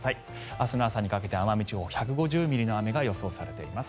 明日の朝にかけて奄美地方１５０ミリの雨が予想されています。